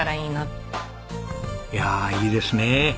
いやいいですね。